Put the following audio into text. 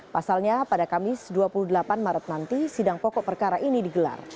pasalnya pada kamis dua puluh delapan maret nanti sidang pokok perkara ini digelar